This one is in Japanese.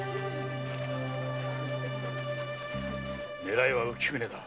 狙いは浮舟だ。